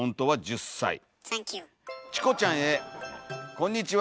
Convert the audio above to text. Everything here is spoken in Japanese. こんにちは。